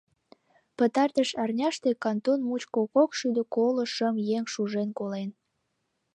Пытартыш арняште кантон мучко кок шӱдӧ коло шым еҥ шужен колен.